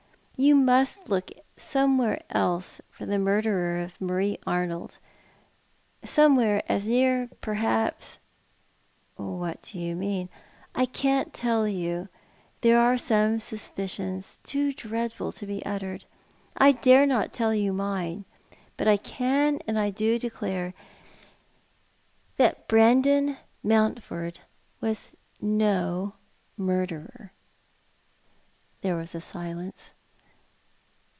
You must look somewhere else for the murderer of Marie Arnold — somewhere as near, perhai)s "" What do you mean ?"" I can't tell you. There are some suspicions too dreadful to be uttered. I dare not tell you mine. But I can and do declare that Brandon Mountford was no murderer." There was a silence.